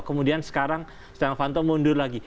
kemudian sekarang stenovanto mundur lagi